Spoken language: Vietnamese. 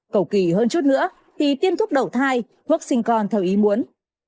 cầu kỳ hơn chút nữa thì tiêm thuốc đầu thai thuốc sinh con theo ý muốn